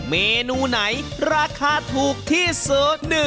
เมนูไหนราคาถูกที่สุด